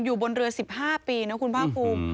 อยู่บนเรือ๑๕ปีเนอะคุณพ่อครู